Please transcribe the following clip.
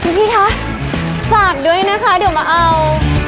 พี่คะฝากด้วยนะคะเดี๋ยวมาเอา